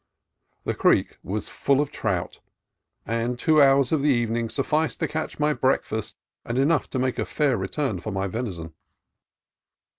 The creek was full of trout, and two hours of the evening sufficed to catch my breakfast and enough to make a fair return for my venison.